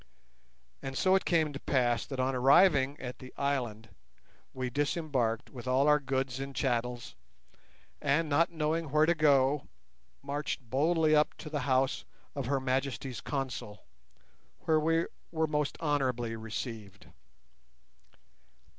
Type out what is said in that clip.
And so it came to pass that on arriving at the island we disembarked with all our goods and chattels, and, not knowing where to go, marched boldly up to the house of Her Majesty's Consul, where we were most hospitably received.